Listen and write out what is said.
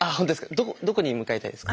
どこどこに向かいたいですか？